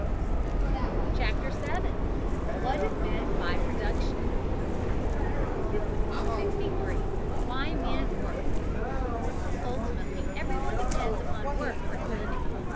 CHAPTER VII WHAT IS MEANT BY PRODUCTION 63. WHY MEN WORK. Ultimately everyone depends upon work for his living.